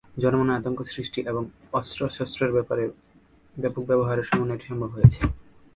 জনমনে আতঙ্ক সৃষ্টি এবং অস্ত্রশস্ত্রের ব্যাপক ব্যবহারের সমন্বয়ে এটি সম্ভব হয়েছে।